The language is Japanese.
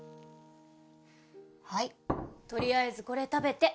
はいとりあえずこれ食べて